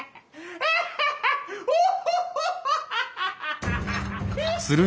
あっ。